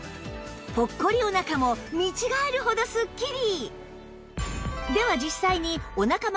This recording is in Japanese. ぽっこりお腹も見違えるほどすっきり！